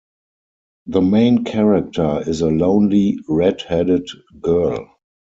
The main character is a lonely red-headed girl.